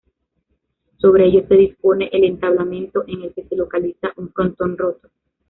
Sobre ellos se dispone el entablamento, en el que se localiza un Frontón Roto.